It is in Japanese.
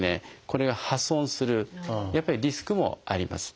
これが破損するリスクもあります。